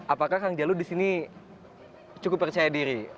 apakah kang jalu disini cukup percaya diri